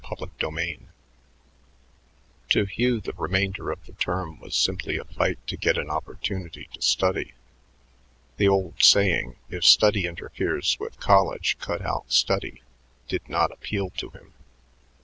CHAPTER XIII To Hugh the remainder of the term was simply a fight to get an opportunity to study. The old saying, "if study interferes with college, cut out study," did not appeal to him.